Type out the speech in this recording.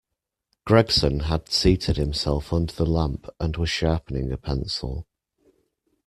Gregson had seated himself under the lamp and was sharpening a pencil.